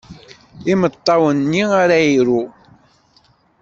Imeṭṭawen-nni ara iru.